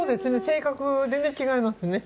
性格全然違いますね。